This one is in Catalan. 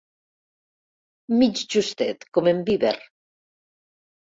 Mig justet, com en Beaver.